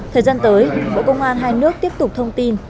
thời gian tới bộ công an hai nước tiếp tục thông tin